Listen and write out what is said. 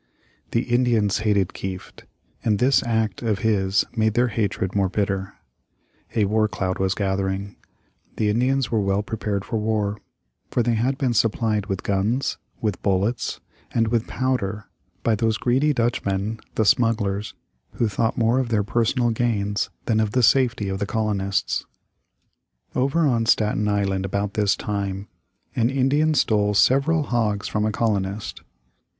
The Indians hated Kieft, and this act of his made their hatred more bitter. A war cloud was gathering. The Indians were well prepared for war, for they had been supplied with guns, with bullets, and with powder by those greedy Dutchmen, the smugglers, who thought more of their personal gains than of the safety of the colonists. [Illustration: Selling Arms to the Indians.] Over on Staten Island about this time, an Indian stole several hogs from a colonist.